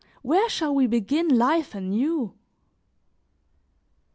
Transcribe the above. Where shall we begin life anew?"